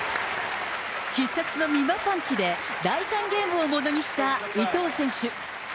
必殺のみまパンチで第３ゲームをものにした伊藤選手。